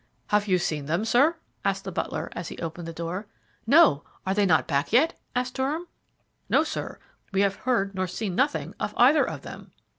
"Have you seen them, sir?" asked the butler, as he opened the door. "No. Are they not back yet?" asked Durham. "No, sir; we have heard nor seen nothing of either of them."